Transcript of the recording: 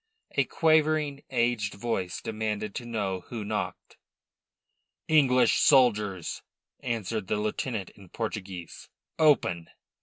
A quavering, aged voice demanded to know who knocked. "English soldiers," answered the lieutenant in Portuguese. "Open!"